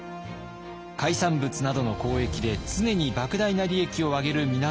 海産物などの交易で常にばく大な利益をあげる港があります。